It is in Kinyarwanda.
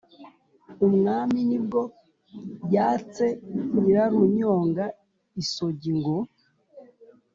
umwami, ni bwo yatse nyirarunyonga isogi ngo